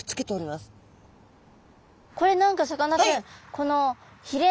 これ何かさかなクン